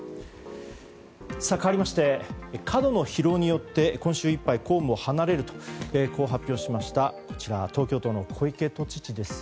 かわりまして過度の疲労によって今週いっぱい公務を離れると発表しました東京都の小池都知事です。